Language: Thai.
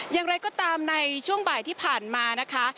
อย่างไรก็ตามในช่วงบ่ายที่ผ่านมานะคะ